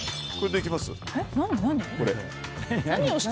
できます？